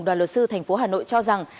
đoàn luật sư thành phố hà nội cho rằng